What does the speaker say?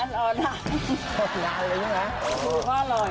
รอดนาน